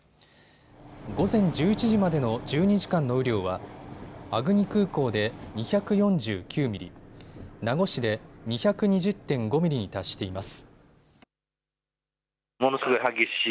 午前１１時までの１２時間の雨量は粟国空港で２４９ミリ、名護市で２２０．５ミリに達しています。